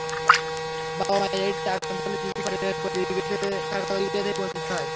বাবা-মা এইডসে আক্রান্ত হলে শিশু পারিবারিক পরিবেশে থাকার অধিকার থেকে বঞ্চিত হয়।